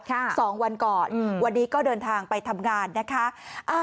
สองวันก่อนอืมวันนี้ก็เดินทางไปทำงานนะคะ